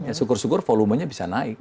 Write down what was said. ya syukur syukur volumenya bisa naik